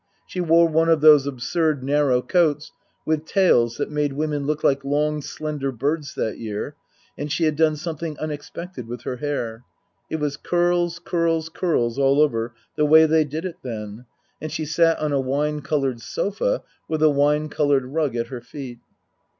She wore one of those absurd narrow coats with tails that made women look like long, slender birds that year, and she had done something unexpected with her hair ; it was curls, curls, curls all over, the way they did it then, and she sat on a wine coloured sofa with a wine coloured rug at her feet.